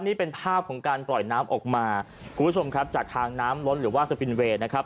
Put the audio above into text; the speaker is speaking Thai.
นี่เป็นภาพของการปล่อยน้ำออกมาคุณผู้ชมครับจากทางน้ำล้นหรือว่าสปินเวย์นะครับ